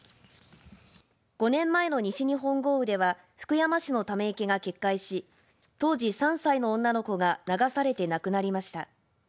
５年前の西日本豪雨では福山市のため池が決壊し当時３歳の女の子が流されて亡くなりました。